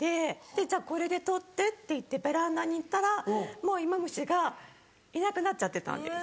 「じゃあこれで取って」って言ってベランダに行ったらもうイモムシがいなくなっちゃってたんです。